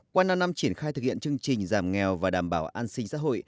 qua năm năm triển khai thực hiện chương trình giảm nghèo và đảm bảo an sinh xã hội